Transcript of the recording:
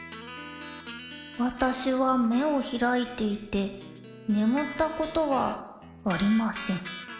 わたしはめをひらいていてねむったことはありません。